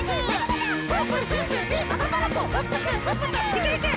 「いけいけ！」